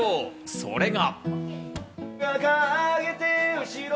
それが。